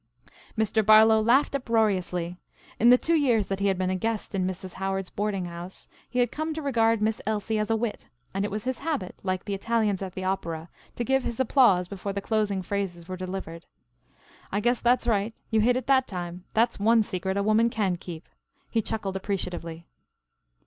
Mr. Barlow laughed uproariously. In the two years that he had been a "guest" in Mrs. Howard's boarding house he had come to regard Miss Elsie as a wit, and it was his habit like the Italians at the opera to give his applause before the closing phrases were delivered. "I guess that's right. You hit it that time. That's one secret a woman can keep." He chuckled appreciatively.